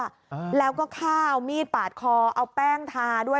ค้าเอามีดปากคอเอาแป้งทาด้วย